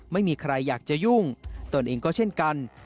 ไม่มีใครอยากจะยุ่งตนเองก็เช่นกัน